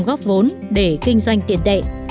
góp vốn để kinh doanh tiền đệ